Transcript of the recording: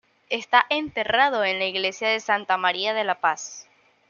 Está enterrado en la iglesia de Santa María de la Paz.